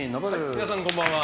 皆さん、こんばんは。